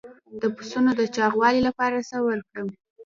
د پسونو د چاغولو لپاره څه ورکړم؟